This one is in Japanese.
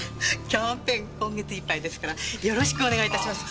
今月いっぱいですからよろしくお願いいたします。